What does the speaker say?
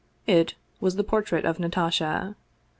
It was the portrait of Natasha.